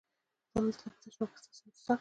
زه همدلته په تشناب کې ستاسي انتظار کوم.